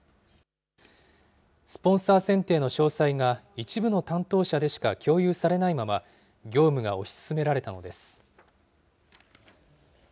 スポンサー選定の詳細が一部の担当者でしか共有されないまま、業務が推し進められたのです。